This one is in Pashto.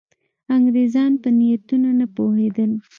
انګرېزان په نیتونو نه پوهېدل.